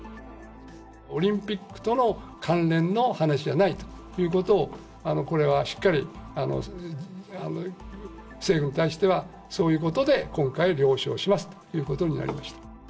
オリンピックとの関連の話ではないということを、これはしっかり政府に対しては、そういうことで今回、了承しますということになりました。